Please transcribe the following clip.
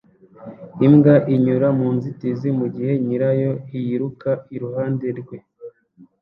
Imbwa inyura mu nzitizi mugihe nyirayo yiruka iruhande rwe